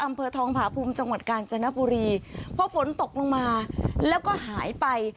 อำเภอทองผาภูมิจังหวัดกาญจนบุรีพอฝนตกลงมาแล้วก็หายไป